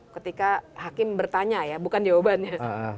ketika hakim bertanya ya bukan jawabannya